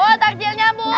oh takjilnya bu